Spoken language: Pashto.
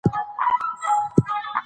ښوونه د ټولنې د پوهې کچه لوړه وي